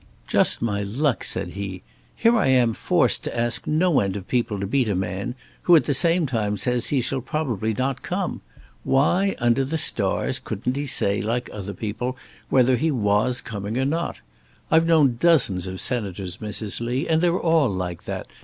"Just my luck," said he; "here I am forced to ask no end of people to meet a man, who at the same time says he shall probably not come. Why, under the stars, couldn't he say, like other people, whether he was coming or not? I've known dozens of senators, Mrs. Lee, and they're all like that.